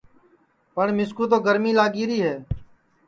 پٹؔ مِسکُو تو گرمی لگی ری ہے